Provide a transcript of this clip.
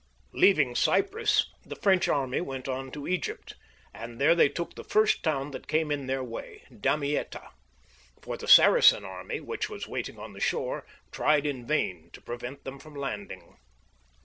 Leaving Cj^rus, the French army went on to Eg3rpt, and there they took the first town that came in their way, Damietta ; for the Saracen army, which was waiting on the shore, tried in vain to prevent them from landing.